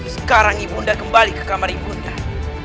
sekarang ibu undang kembali ke kamar ibu undang